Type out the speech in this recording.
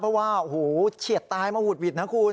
เพราะว่าโอ้โหเฉียดตายมาหุดหวิดนะคุณ